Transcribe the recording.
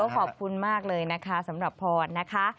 ขอบคุณมากเลยนะคะสำหรับพรนะคะ